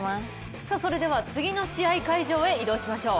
それでは次の試合会場へ移動しましょう。